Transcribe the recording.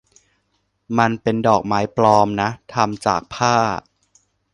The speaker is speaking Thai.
มันเป็นดอกไม้ปลอมนะ ทำจากผ้า